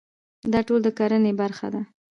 دا ټول د کرنې برخه ده.